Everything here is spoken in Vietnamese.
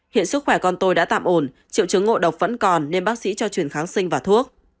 hiện sức khỏe con tôi đã tạm ổn triệu chứng ngộ độc vẫn còn nên bác sĩ cho chuyển kháng sinh và thuốc